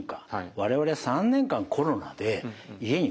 我々は３年間コロナで家に籠もってる。